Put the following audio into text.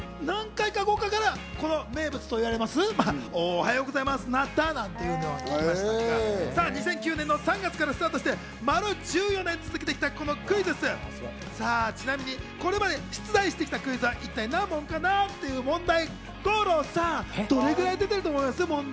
この何回か後から、おはようございます！になったって言うわけでございますが、さぁ２００９年の３月からスタートして、丸１４年続けてきたこのクイズッス、ちなみにこれまで出題してきたクイズは一体何問かな？という問題。